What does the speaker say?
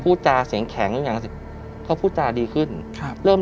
พูดจาเสียงแข็งต้ึงอย่างสิเขาพูดจาดีขึ้นครับ